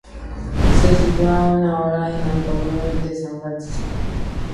Se sitúa a una hora en automóvil de San Francisco.